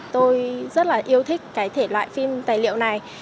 tôi rất là yêu thích cái thể loại phim tài liệu này